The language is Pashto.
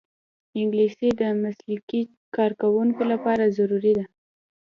انګلیسي د مسلکي کارکوونکو لپاره ضروري ده